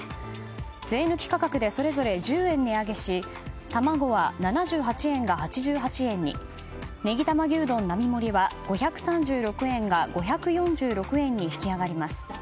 税抜き価格でそれぞれ１０円値上げし玉子は７８円が８８円にねぎ玉牛丼並盛は５３６円が５４６円に引き上がります。